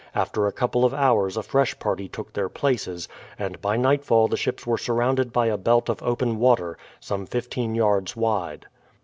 After a couple of hours a fresh party took their places, and by nightfall the ships were surrounded by a belt of open water, some fifteen yards wide.